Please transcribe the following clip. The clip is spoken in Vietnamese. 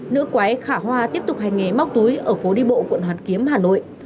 nữ quái khả hoa tiếp tục hành nghề móc túi ở phố đi bộ quận hoàn kiếm hà nội